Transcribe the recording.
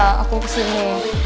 oh amat gue kesini